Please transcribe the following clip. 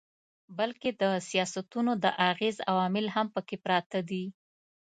بلکي د سياستونو د اغېز عوامل هم پکښې پراته دي